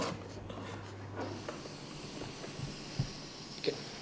いけ。